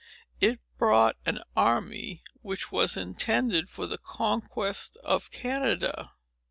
It brought an army, which was intended for the conquest of Canada.